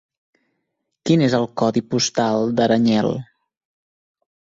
Quin és el codi postal d'Aranyel?